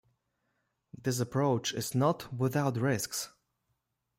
This approach is not without risks.